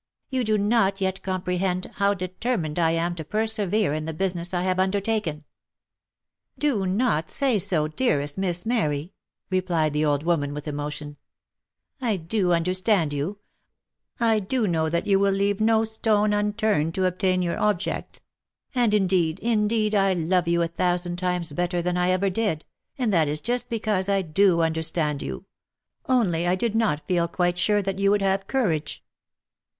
" You do not yet comprehend how determined I am to persevere in the business I have undertaken." " Do not say so, dearest Miss Mary !" replied the old woman with emotion, " I do understand you, — I do know that you will leave no stone unturned to obtain your object, — and indeed, indeed, I love you a thousand times better than ever I did, and that is just because I do understand you ; only I did not feel quite sure that you would have courage."